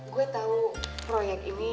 gue tau proyek ini